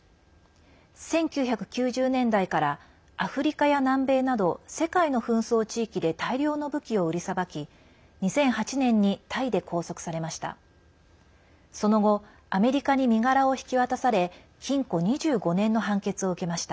１９９０年代からアフリカや南米など世界の紛争地域で大量の武器を売りさばき２００８年にタイで拘束されました。